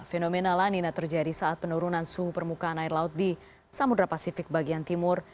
fenomena lanina terjadi saat penurunan suhu permukaan air laut di samudera pasifik bagian timur